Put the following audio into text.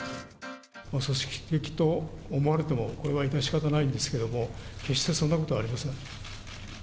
組織的と思われてもこれは致し方ないんですけども、決してそんなことはありません。